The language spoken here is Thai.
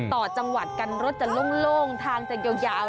ต่อจังหวัดกันรถจะโล่งทางจะยาว